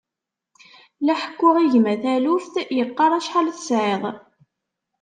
La ḥekkuɣ i gma taluft, yeqqar acḥal tesɛiḍ.